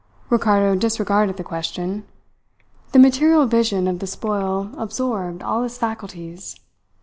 Ricardo disregarded the question. The material vision of the spoil absorbed all his faculties.